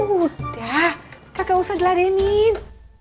udah gagak usah jeladainin